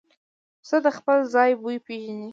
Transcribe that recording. پسه د خپل ځای بوی پېژني.